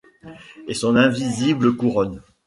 Et son invisible couronne